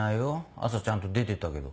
朝ちゃんと出てったけど。